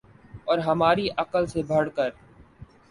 اور ہماری عقل سے بڑھ کر